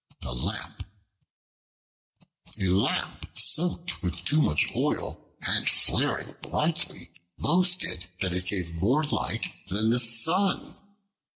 The Lamp A LAMP, soaked with too much oil and flaring brightly, boasted that it gave more light than the sun.